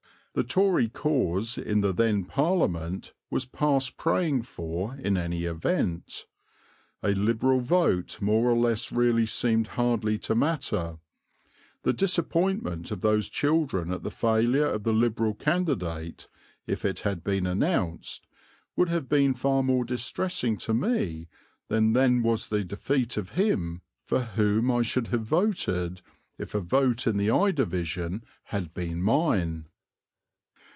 The Tory cause in the then Parliament was past praying for in any event; a Liberal vote more or less really seemed hardly to matter; the disappointment of those children at the failure of the Liberal candidate, if it had been announced, would have been far more distressing to me then than was the defeat of him for whom I should have voted if a vote in the Eye division had been mine.